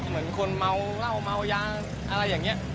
เหมือนคนเมาเหล้าเมายาอะไรอย่างนี้